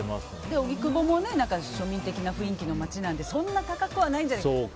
荻窪も庶民的な雰囲気の街なのでそんな高くはないんじゃないかと。